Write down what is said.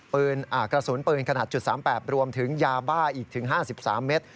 กระสุนปืนขนาด๓๘รวมถึงยาบ้าอีกถึง๕๓เมตร